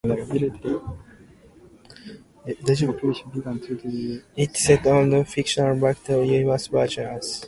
It is set on the fictional backwards universe version of Earth.